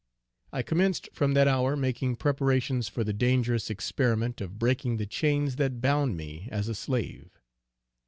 I commenced from that hour making preparations for the dangerous experiment of breaking the chains that bound me as a slave.